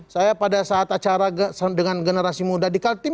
saya pada saat acara dengan generasi muda di kaltim